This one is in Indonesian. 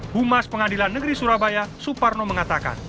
humas pengadilan negeri surabaya suparno mengatakan